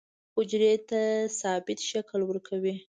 حجرې ته ثابت شکل ورکوي.